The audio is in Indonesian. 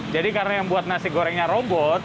jadi karena yang buat nasi gorengnya robot